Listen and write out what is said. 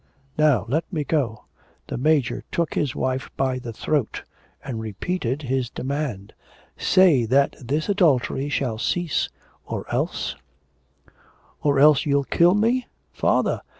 Now let me go.' The Major took his wife by the throat, and repeated his demand. 'Say that this adultery shall cease, or else ' 'Or else you'll kill me?' 'Father!'